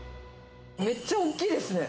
めっちゃ大きいですね。